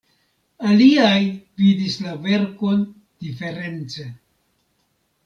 Aliaj vidis la verkon diference.